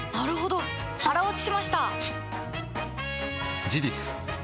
腹落ちしました！